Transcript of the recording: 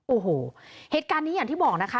โอ้โหเหตุการณ์นี้อย่างที่บอกนะคะ